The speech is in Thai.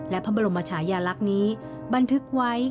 และพระบรมชายาลักษณ์นี้บันทึกไว้